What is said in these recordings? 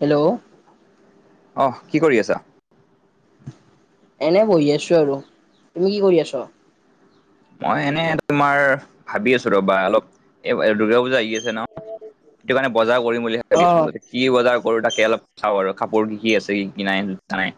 Hello অঁহ কি কৰি আছা? এনে বহি আছো আৰু তুমি কি কৰি আছ? মই এনে তোমাৰ ভাবি আছো ৰবা অলপ এই দুৰ্গা পূজা আহি আছে ন। সেইটো কাৰণে বজাৰ কৰিম বুলি অ ভাবিছো, কি বজাৰ কৰো তাকে অলপ চাওঁ আৰু কাপোৰ কি কি আছে কি? কি নাই নাই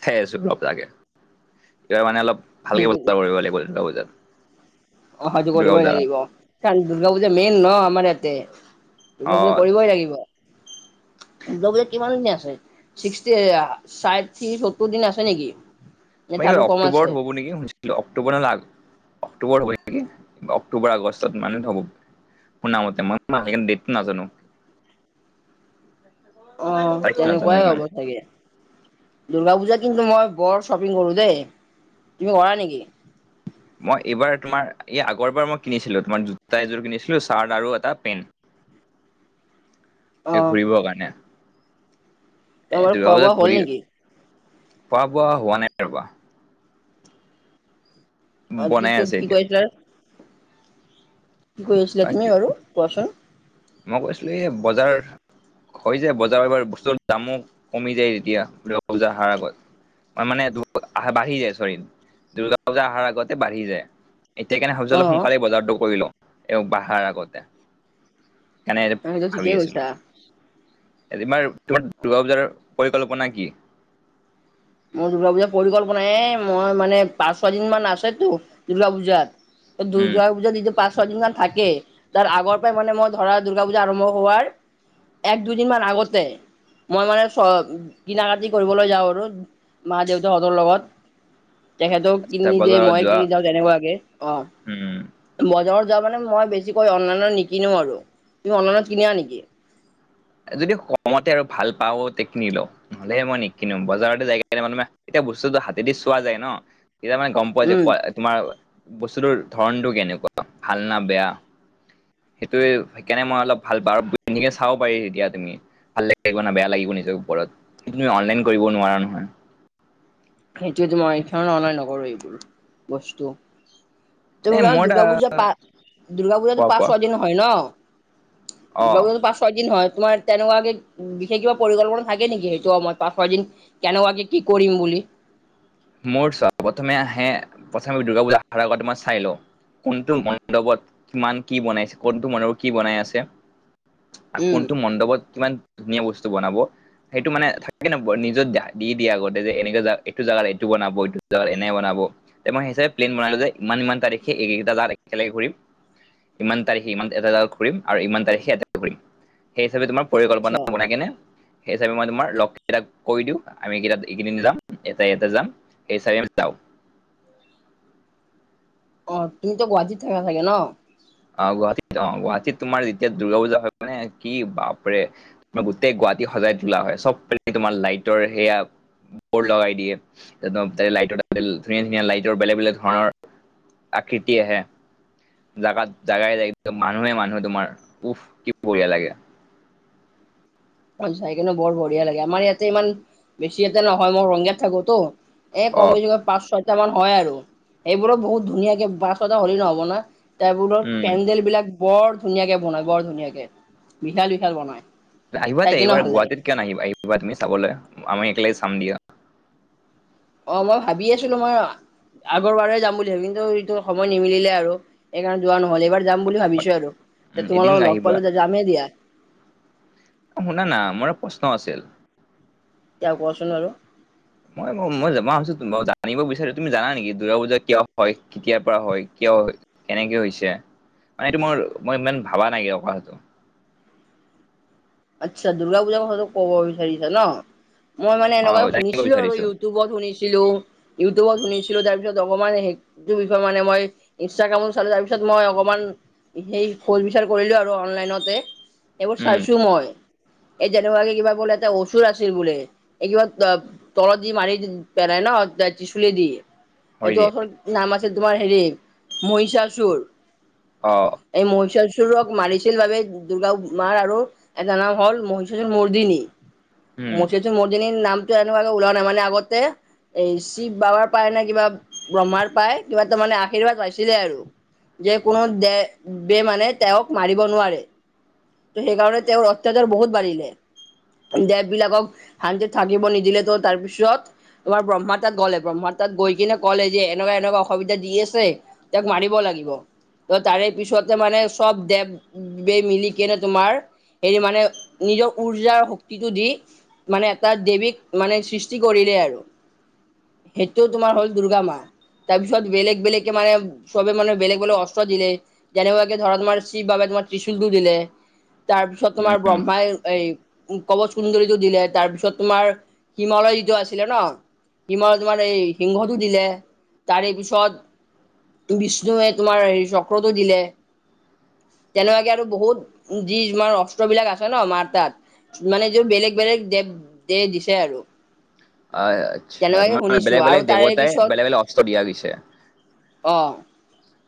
চাই আছো অলপ তাকে। এবাৰ মানে অলপ ভালকে সেইটো বজাব কৰিব লাগিব দূৰ্গা পূজাত। অঁ হয়টো দুৰ্গা কৰিবই পূজা লাগিব কাৰণ দুৰ্গা পূজা মেইন ন আমাৰ এয়াতে। অ দুৰ্গা পূজা কৰিবই লাগিব। দ পূজাত কিমান দিন আছে সীষ্টি, ষাঠি, সত্তৰ দিন আছে নেকি। নে ফাইনেলি তাৰো কম আছে? অক্টোবৰত হ'ব নেকি অক্টোবৰ না আ অক্টোবৰ হ'ব নেকি অক্টোবৰ, আগষ্টত সিমান ত হব মই শুনা মতে কিন্তু দেত টো নাজানোঁ। অ তাৰিখটো নাজানো তেনেকুৱাই ইমান হ'ব চাগে। দুৰ্গা পূজাত কিন্তু মই বৰ শ্বপিং কৰোঁ দেই, তুমি কৰা নেকি? মই এইবাৰ তোমাৰ এই আগৰবাৰ মই কিনিছিলো তোমাৰ জোতা এযোৰ কিনিছিলো, চাৰ্ট আৰু এটা পেণ্ট। [unintelligible] এ ঘূৰিবৰ কাৰণে। এ তোমাৰ দুৰ্গা খোৱা বোৱা বজাত হ'ল ঘূৰি, নেকি? খোৱা বোৱা হোৱা নাই ৰ'বা। আৰু কি বনাই ক আছে কি এতিয়া কৰিছিলা কি কৈ আছিলা তুমি বাকী বাৰু কোৱাচোন। মই কৈছিলোঁ এই বজাৰ হৈ যায় বজাৰ বাৰ বস্তুৰ দামো কমি যায় তেতিয়া দুৰ্গা পূজা অহাৰ আগত। মানে আহ বাঢ়ি যায় চৰি দুৰ্গা পূজা অহাৰ আগতে বাঢ়ি যায়। এতিয়া কেনে অ ভাবিছিলোঁ সোনকালে বজাৰটো কৰি লওঁ। এওঁ বঢ়াৰ আগতে এনে সেইটো ভাবি ঠিকেই আছিলো। কৈছা আজি তোমাৰ দুৰ্গা পূজাৰ পৰিকল্পনা কি। মোৰ দুৰ্গা পূজাৰ পৰিকল্পনাই এ মই মানে পাঁচ ছয়দিন মান আছেতো দুৰ্গা পূজাত এ উম দুৰ্গা পূজা যিটো পাঁচ ছয়দিন মান থাকে তাৰ আগৰ পৰাই মানে মই ধৰা দুৰ্গা পূজা আৰম্ভ হোৱাৰ এক দুদিন মান আগতে মই মানে চ কিনা কাটি কৰিবলৈ যাওঁ আৰু মা দেউতাহঁতৰ লগত তেখেতক কিনি দিয়ে বজাৰত মই যোৱা কিনি যাওঁ তেনেকুৱাকে অ উম বজাৰত যোৱা মানে মই বেছিকৈ অনলাইনত নিকিনো আৰু তুমি অনলাইনত কিনা নেকি যদি কমতে আৰু ভাল পাও তে কিনি লওঁ নহলে মই নিকিনো বজাৰতে যাই কিনে মানে এতিয়া বস্তুতটো হাতেদি চোৱা যায় ন তেতিয়া মানে গম পোৱা যে উম কোৱা তোমাৰ বস্তুটোৰ ধৰণটো কেনেকুৱা ভাল না বেয়া। সেইটোৱে সেইকাৰণে মই অলপ ভাল পাওঁ আৰু ধুনীয়াকে চাব পাৰি এতিয়া তুমি ভাল লাগিব না বেয়া লাগিব নিজৰ ওপৰত কিন্তু তুমি অনলাইন কৰিব নোৱাৰা নহয়। সেইটোৱেতো মই এইখণে অনলাইন নকৰো এইবোৰ বস্তু। এনে তু ৰা মোৰ এটা দুৰ্গা পূজা পা দুৰ্গা পূজাতো কোৱা পাঁচ কোৱা ছয় দিন হয় ন। অ দুৰ্গা পূজা পাঁচ ছয় দিন হয় তোমাৰ তেনেকুৱাকে বিশেষ কিবা পৰিকল্পনা থাকে নেকি সেইটো সময়ত পাঁচ ছয় দিন কেনেকুৱাকে কি কৰিম বুলি। মোৰ চা প্ৰথমে আহে প্ৰথম দুৰ্গা পূজা অহাৰ আগত মই চাই লওঁ কোনটো মণ্ডপত কিমান কি বনাইছে, কোনটো মণ্ডপত কি বনাই আছে। আ উম কোনটো মণ্ডপত কিমান ধুনীয়া বস্তু বনাব সেইটো মানে থাকে ন নিজত দা দি দিয়া আগতে যে এনেকে যে এইটো জেগাত এইটো বনাব এইটো জেগাত এনে বনাব তে মই হিচাপে প্লেন বনালো যে ইমান ইমান তাৰিখে এইকেইটা জেগাত একেলগে ঘূৰিম ইমান তাৰিখে ইমান এটা জেগাত ঘূৰিম আৰু ইমান তাৰিখে এটা ঘূৰিম সেই হিচাপে তোমাৰ আচ্ছা পৰিকল্পনা বনাই কেনে সেই হিচাপে মই তোমাৰ লগকেইটাক কৈ দিওঁ, আমি কেইটাত এইকেইদিন যাম এটা ইয়াতে যাম। এই হিচাপে আমি যাওঁ। অ তুমিতো গুৱাহাটীত থাকা চাগে ন। অঁ, গুৱাহাটীত যাওঁ। গুৱাহাটীত তোমাৰ যেতিয়া দুৰ্গা পূজা হয় মানে কি বাপৰে তোমাৰ গোটেই গুৱাহাটী সজাই তোলা হয়। চব পিনে তোমাৰ লাইটৰ সেয়া বৰ্ড লগাই দিয়ে। একদম তাতে লাইটৰ ধুনীয়া ধুনীয়া লাইটৰ বেলেগ বেলেগ ধৰণৰ আকৃতি আহে। জাগাত জাগাই নাই একদম মানুহে মানুহ তোমাৰ উফ, কি বঢ়িয়া লাগে। চাই কিনে বৰ বঢ়িয়া লাগে। আমাৰ ইয়াতে ইমান বেছি ইয়াতে নহয় মই ৰঙিয়াত থাকোটো। এ অ কম বেছিকৈ পাঁচ, ছয়টা মান হয় আৰু। সেইবোৰো বহুত ধুনীয়াকে পাঁচ, ছয়টা হ'লে নহ'ব নহয়। টাইবোৰত উম পেণ্ডেল বিলাক বৰ ধুনীয়াকে বনাই, বৰ ধুনীয়াকে বিশাল বিশাল বনাই। আহিবা চাই তে কিনে এইবাৰ ভাল লাগে গুৱাহাটীত কিয় নাহিবা আহিবা তুমি চাবলে। আমি একেলগে চাম দিয়া। অঁ, মই ভাবি আছিলোঁ। মই আগৰ বাৰে যাম বুলি ভাবি কিন্তু এইটো সময় নিমিলে আৰু এইকাৰণে যোৱা নহ'ল। এইবাৰ যাম বুলি ভাবিছোঁ আৰু। উম এতিয়া এদিন তোমালোকক লগ আহিবা পালো যে যামেই দিয়া। অ শুনা না। মোৰ প্ৰশ্ন আছিল। এতিয়া কোৱা চোন বাৰু? মই ম মই ভাবিছোঁ মই জানিব বিচাৰো তুমি জানা নেকি? দুৰ্গা পূজা কিয় হয়, কেতিয়াৰ পৰা হয়, কিয় হয় কেনেকে হৈছে মানে এইটো মোৰ মই ইমান ভাৱা নাই কিয় কথাটো। আচ্ছা, দুৰ্গা পূজাৰ কথাটো ক'ব বিচাৰিছা ন'? মই মানে অ এনেকুৱা জানিব শুনিছিলো আৰু বিচাৰিছো ইউটিউবত শুনিছিলো, ইউটিউবত শুনিছিলো তাৰপিছত অকণমান হেৰি টো বিষয়ে মানে, মই ইনষ্টাগ্ৰামত চালো তাৰপিছত মই অকমান সেই ফল বিচাৰ কৰিলো আৰু অনলাইনতে। সেইবোৰ উম চাইছোঁ মই। এই যেনেকুৱাে কিবা বোলে এটা অসুৰ আছিল বোলে। একবাৰে ত তলত যি মাৰি পেলাই ন' ত্ৰিশূলেদি? হয় এইটো দিয়া অৰ্থৰ নাম আছে তোমাৰ হেৰি মহিষাসুৰ। অঁ। এই মহিষাসুৰক মাৰিছিল বাবে দুৰ্গা মাৰ আৰু এটা নাম হ'ল মহীসুৰৰ মৰ্দিনি। উম মহিষাসুৰমৰ্দিনী নামটো এনেকুৱাকে ওলোৱা নাই। মান, আগতে এই শিৱ বাবাৰ পাই না কিবা ব্ৰহ্মাৰ পাই কিবা তাৰমানে আশীৰ্বাদ পাইছিলে আৰু। যে কোনো দে ৱে মানে তেওঁক মাৰিব নোৱাৰে। ত ' সেইকাৰণে তেওঁৰ অত্যাচাৰ বহুত বাঢ়িলে। দেৱবিলাকক শান্তিত থাকিব নিদিলে ত' তাৰপিছত তোমাৰ বহ্মা তাত গ'লে, ব্ৰহ্মা তাত গৈ কিনে ক'লে যে এনেকুৱা এনেকুৱা অসুবিধা দি আছে, তেওঁক মাৰিব লাগিব। ত' তাৰে পিছতে মানে চব দে--ৱে মিলি তেতিয়া তোমাৰ হেৰি মানে, নিজৰ উৰ্জা শক্তিটো দি মানে এটা দেৱীক মানে, সৃষ্টি কৰিলে আৰু। সেইটো তোমাৰ হ'ল দুৰ্গা মা। তাৰপিছত বেলেগ বেলেগকে মানে, চবে মানে বেলেগ বেলেগ অস্ত্ৰ দিলে। যেনেকুৱাকে ধৰা তোমাৰ শিৱ বাবাই তোমাৰ ত্ৰিশূলটো দিলে। তাৰপিছত তোমাৰ উম ব্ৰহ্মাই এই কবচ কুন্দৰিটো দিলে তাৰপিছত তোমাৰ হিমালয় যুজ্ঞ আছিলে ন'? হিমৰ তোমাৰ এই সিংহটো দিলে। তাৰেপিছত বিষ্ণুৱে তোমাৰ হে চক্ৰটো দিলে। তেনেকুৱাকে আৰু বহুত যি তোমাৰ অস্ত্ৰবিলাক আছে ন' মাৰ তাত মানে যোৰ বেলেগ বেলেগ দে দে দিছে আৰু। আচ্ছা' তেনেকুৱাকে তোমাৰ [unintelligible] শুনিছো বেলেগ আৰু বেলেগ তাৰে দেৱতাই পিছত বেলেগ বেলেগ অস্ত্ৰ দিয়া গৈছে। অ'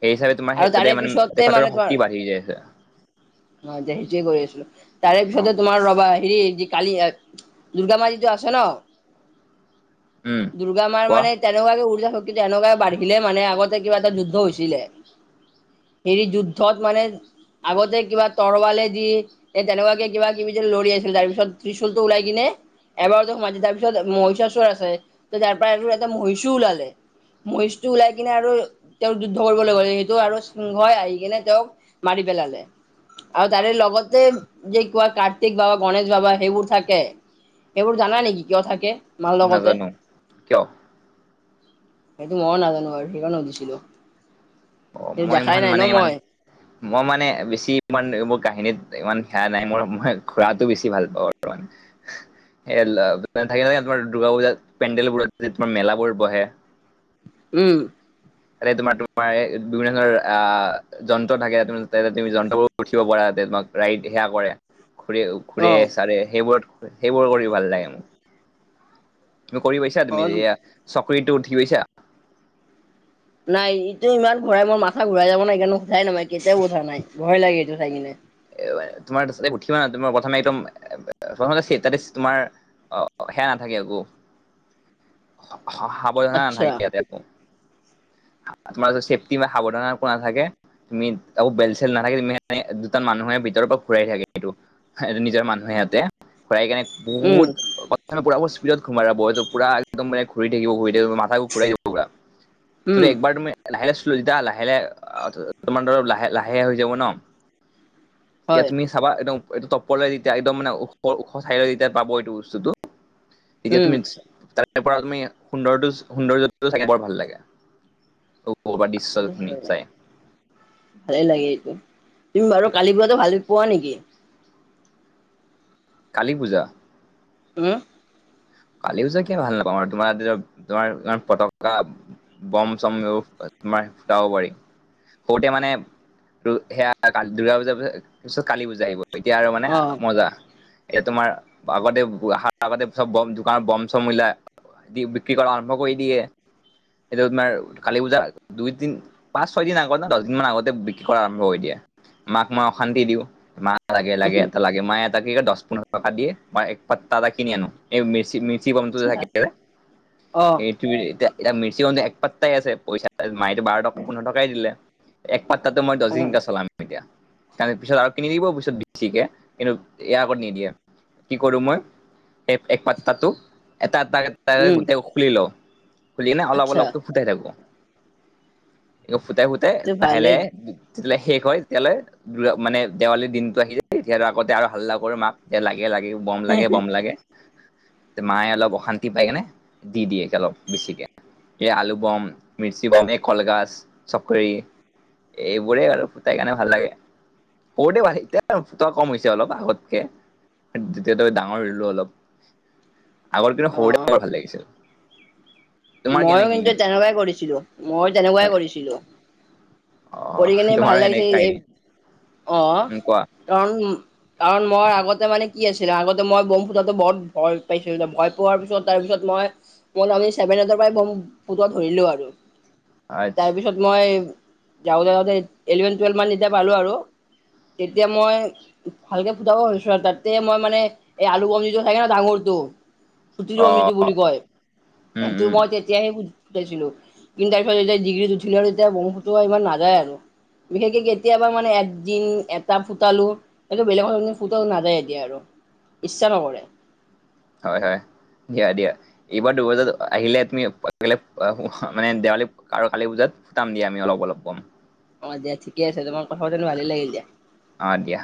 সেই হিচাপে তোমাৰ আৰু সেই তাৰে তাতে মানে পিছতে তেখেতৰ শক্তি বাঢ়ি যায় আছে। অঁ' সেইটোৱে কৰি আছিলো। তাৰে অ পিছতে তোমাৰ ৰবা হেৰি কালি দুৰ্গামা যিটো আছে ন' উম দুূৰ্গা মাৰ কোৱা মানে তেনেকুৱাকে উৰ্জা শক্তি তেনেকুৱাই বাঢ়িলে মানে আগতে কিবা এটা যুদ্ধ হৈছিলে। হেৰি যুদ্ধত মানে আগতে কিবা তৰৱালে দি এই তেনেকুৱাকে কিবা কিবি যে লৰি [unintelligible] আছিলে তাৰ পিছত ত্ৰিশুলটো ওলাই কিনে এবাৰতে সোমাই দি তাৰপিছত মহিষাসুৰ আছে তাৰ পৰা আৰু এটা মহিষু ওলালে। মহিষটো ওলাই কিনে আৰু তেওঁক যুদ্ধ কৰিবলৈ গ'লে সেই তো আৰু চিংহই আহি কেনে তেওঁক মাৰি পেলালে। আৰু তাৰে লগতে যে কোৱা কাৰ্তিক বাবা গণেশ বাবা সেইবোৰ থাকে। সেইবোৰ জানা নেকি কিয় থাকে? মাৰ লগতে, নাজানো কিয় সেইটো মইয়ো নাজানো বাৰু সেইকাৰণে সুধিছিলোঁ। অ', মই ইমান মানে ইমান মই মই মানে বেছি ইমান মোৰ কাহিনীত ইমান সেয়া নাই মোৰ। মই ঘূৰাটো বেছি ভাল পাওঁ আৰু। [inaudible] সেই ল [unintelligible] তোমাৰ দুৰ্গা পূজাত পেণ্ডেল বোৰত যে তোমাৰ মেলাবোৰত বহে। উমঁ'। আৰু তোমাৰ [unintelligible] যন্ত্ৰ থাকে, তুমি যন্ত্ৰবোৰ উঠিব পাৰা তোমাক ৰাইড সেৱা কৰে। ঘূ অ ঘুৰে চাৰে সেইবোৰত সেইবোৰ কৰি ভাল লাগে মোৰ। তুমি কৰি পাইছা অ তুমি যে এইয়া চকৰিটো উঠি পাইছা? নাই, ইটো ইমান ঘূৰাই মোৰ মাথা ঘূৰাই যাব ন' এইকাৰণো [unintelligible] কেতিয়াও উঠা নাই ভয় লাগে এইটো চাই কিনে। তোমাৰাতে উঠিবা না, তোমাৰ প্ৰথমে একদম প্ৰথমতে [unintelligible] তোমাৰ অঁ অঁ' সেয়া নাথাকে আকৌ সাৱধানে আচ্ছা নাথাকে ইয়াতে একো তোমাৰ চেফটি বা সাৱধানা একো নাথাকে। [unintelligible] আকৌ বেল চেল নাথাকে তুমি [unintelligible] দুটা মানুহে ভিতৰৰ পৰা ঘূৰাই থাকে এইটো। এটো নিজৰ মানুহে এহেতে প্ৰায় একেনে উম বহুত [unintelligible] স্পীডত ঘোমাই বইটো পুৰা একদম মানে ঘূৰি থাকিব ঘূৰি থাকিব মাথাও ঘূৰাই [unintelligible] যদি উম একবাৰ তুমি লাহে লাহে শ্লো যেতিয়া লাহে লায়ে আ, তোমাৰ ধৰ লাহে লাহে হৈ যাব ন'। তেতিয়া হয় তুমি চাবা একদম এইটো তপৰলে যেতিয়া একদম মানে ওখ-ওখ চাইদ যেতিয়া পাব এইটো বস্তুটো, তেতিয়া উম তুমি [unintelligible] তাৰ পৰা তুমি সুন্দৰটোছ সুন্দৰ্যটো চাই বৰ ভাল লাগে। পৰা দৃশ্যখিনি চাই [unintelligible] ভালেই লাগে এইটো। তুমি বাৰু কালি পূজাটো ভাল নোপোৱা নেকি? কালি পূজা। হুম? কালি পূজা কিয় ভাল নাপাম আৰু তোমাৰ [unintelligible] তোমাৰ ইমান পতকা বম চম [unintelligible] তোমাৰ ফুটাব পাৰি। সৰুতে মানে তো, সেয়া কাল দুৰ্গা পূজাৰ পিছত কালি পূজা আহিব। এতিয়া আৰু মানে অ মজা। এই তোমাৰ আগতে পোৰা সাততা [unintelligible] চ'ব বম ধু [unintelligible] বম চম ওলাই বিক্ৰী কৰা আৰম্ভ কৰি দিয়ে। এটো তোমাৰ কালি পূজা দুই তিন পাঁচ ছয় দিন আগত না দহদিন মান আগতে বিক্ৰী কৰা আৰম্ভ হৈ দিয়ে। মাক মই অশান্তি দিওঁ। মা লাগে লাগে এথা লাগে মায়ে এটা কি কয় দছ পোন্ধৰ টকা দিয়ে মই এক পাত্তা এটা কিনি আনো। চি, মিৰ্চি বমটো যে আচ্ছা থাকে যে, অ এই টোৱে এতিয়া ইটা মিৰ্চি বমটো এক পাত্তাই আছে পইচা মাইটো বাৰ টকা পোন্ধৰ টকাই দিলে। এক পাত্তাটো মই অ দছদিন এতিয়া চলাম। এতিয়া তাৰে পিছত আৰু কিনি দিব পিছত বেছিকে কিন্তু ইয়াৰ আগত নিদিয়ে। কি কৰো মই তেপ এক পাত তাতো এটা এটাকে উম গোটেই খুলি লওঁ। খুলি কেনে অলপ আচ্ছা অলপ ফুটাই থাকো। ফুটাই ফুটাই তে লাহে ভালে লাহে বো [unintelligible] শেষ হয় সেই তেতিয়ালে [unintelligible] মানে দেৱালী দিনটো আহি যায় তেতিয়া আৰু আগতে আৰু হাল্লা কৰো মাক যে লাগে লাগে। বম লাগে, বম লাগে। তে, মায়ে অলপ অশান্তি পাই কেনে দি দিয়ে [unintelligible] বেছিকে। এই আলু বম, মিৰ্চি বম, এই কলগাছ, চকৰি। এইবোৰে আৰু ফুতাই কানে ভাল লাগে। সৰুতে ভাল এতিয়া ফুটোৱা কম হৈছে অলপ আগতকে। যিতেটো ডাঙৰ হ'লো অলপ। আগৰ দিনত অ সৰুতে বৰ ভাল লাগিছিল। তোমাৰ ময়ো কেনেকি কিন্তু তেনেকুৱাই কৰিছিলো মইয়ো তেনেকুৱাই হয় কৰিছিলো অ পঢ়ি কেনে ভাল তোমাৰো লাগিছে সেনেকে এই কাহিনী আহ উম কোৱা কাৰণ উ কাৰণ মই আগতে মানে কি আছিলে আগতে মই বম ফুটাতো বহুত ভয় পাইছিলো ভয় পোৱাৰ পিছত তাৰপিছত মই মইপনি ছেভেন এইটৰ পৰাই ফুতোৱা ধৰিলোঁ আৰু আচ্ছা তাৰপিছত মই যাওঁতে যাওঁতে ইলেভেন টুৱেলভ মান যেতিয়া পালোঁ আৰু তেতিয়া মই ভালকে ফুটাব পাৰিছো তাতে মই মানে এই আলু বম যিটো থাকে ন ডাঙৰটো খুজিলেও অ নিদু বুলি কয় উম এইটো উম মই তেতিয়াহে ফু-ফুতাইছিলো। তিন [unintelligible] ডিগ্ৰীত উঠিলো আৰু তেতিয়া [unintelligible] ত ইমান নাযায় আৰু বিশেষকে কেতিয়াবা মানে একদিন এটা ফুটালো। হলেও বেলেগৰ [unintelligible] ফুটাও নাযায় এতিয়া আৰু, ইচ্ছা নকৰে। হয়, হয়। দিয়া দিয়া। এইবাৰ দুবজাত আহিলে তুমি বেলেগ মানে দেৱালী ক আৰু কালি পূজাত ফুটাম দিয়া আমি অলপ অলপ বম। অ', দিয়া ঠিকে আছে। তোমাৰ লগত কথা পাতিলোঁ ভালেই লাগিল দিয়া। অ দিয়া